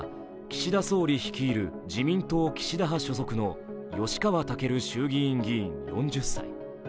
岸田総理率いる自民党岸田派所属の吉川赳衆議院議員４０歳。